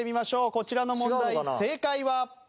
こちらの問題正解は。